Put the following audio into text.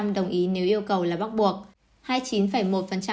bảy sáu đồng ý nếu yêu cầu là bắt buộc